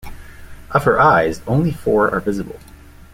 Of her eyes, only four are visible.